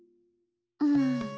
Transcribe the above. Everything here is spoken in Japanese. うん。